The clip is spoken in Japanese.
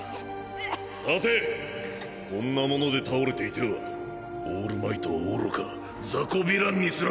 立てこんなもので倒れていてはオールマイトはおろか雑魚ヴィランにすら。